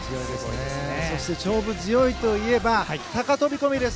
そして、勝負強いといえば高飛び込みです。